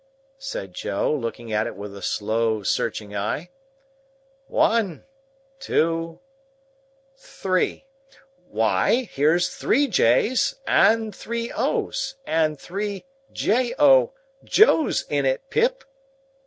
said Joe, looking at it with a slow, searching eye, "One, two, three. Why, here's three Js, and three Os, and three J O, Joes in it, Pip!"